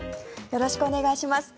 よろしくお願いします。